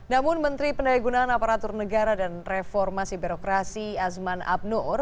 namun menteri pendayagunan aparatur negara dan reformasi birokrasi azman abnoor